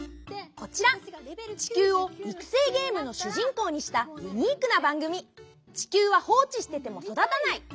こちら地球を育成ゲームの主人公にしたユニークな番組「地球は放置してても育たない」。